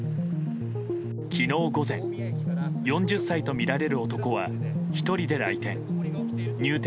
昨日、午前４０歳とみられる男は１人で来店。